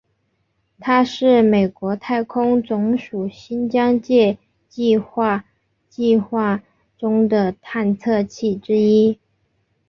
它是美国太空总署新疆界计画计划中的探测器之一。